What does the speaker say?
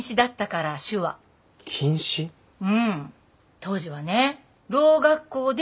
当時はねろう学校でも禁止。